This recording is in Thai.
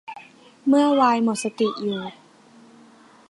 เมื่อไวน์หมดสติอยู่